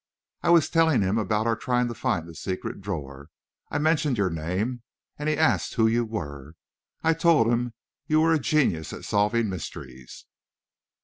I was telling him about our trying to find the secret drawer I mentioned your name and he asked who you were. I told him you were a genius at solving mysteries."